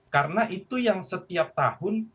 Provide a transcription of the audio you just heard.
karena itu yang setiap tahun